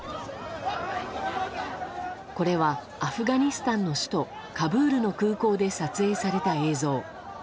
これはアフガニスタンの首都カブールの空港で撮影された映像。